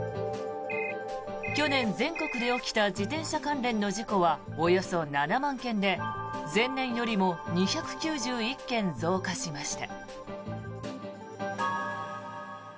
去年、全国で起きた自転車関連の事故はおよそ７万件で前年よりも２９１件増加しました。